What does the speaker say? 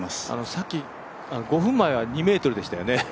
さっき５分前は２ｍでしたよね